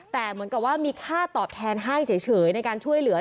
แต่เหมือนกับว่ามีค่าตอบแทนให้เฉยในการช่วยเหลือ